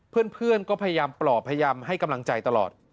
เพื่อนก็พยายามปลอบพยายามให้กำลังใจตลอด